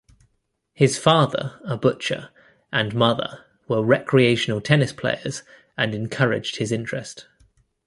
His father, a butcher, and mother were recreational tennis players and encouraged his interest.